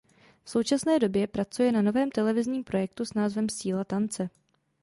V současné době pracuje na novém televizním projektu s názvem "Síla tance".